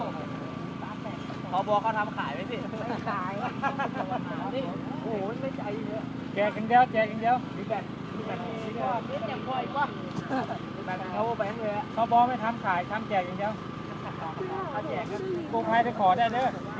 พ่อบอกเขาทำขายไหมพ่อบอกไม่ทำขายทำแจกอย่างเดียว